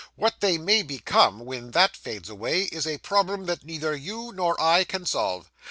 What they may become, when that fades away, is a problem that neither you nor I can solve.